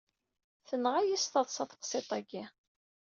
Tenɣa-yi s teḍsa teqṣiṭ-agi!